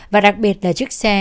và đặc biệt là chiếc xe